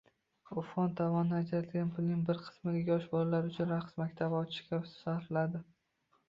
U fond tomonidan ajratilgan pulning bir qismiga yosh bolalar uchun raqs maktabi ochishga sarfladi